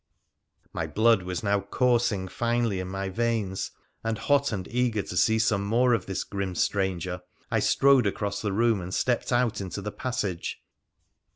My blood was now coursing finely in my veins, and, hot and eager to see some more of this grim stranger, I strode across the room and stepped out into the passage.